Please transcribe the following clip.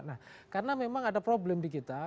nah karena memang ada problem di kita